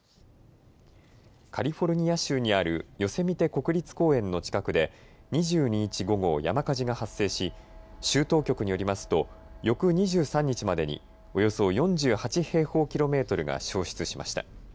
カリフォルニア州にあるヨセミテ国立公園の近くで２２日午後、山火事が発生し州当局によりますと翌２３日までにおよそ４８平方キロメートルが焼失しました。